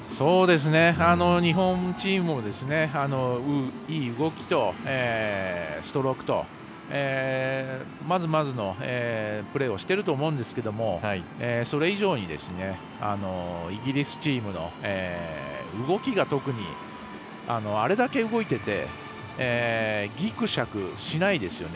日本チームもいい動きとストロークとまずまずのプレーをしてると思うんですけどそれ以上にイギリスチームの動きが特に、あれだけ動いていてギクシャクしないですよね。